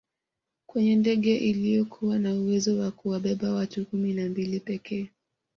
kwenye ndege iliyokuwa na uwezo wa kuwabeba watu kumi na mbili pekee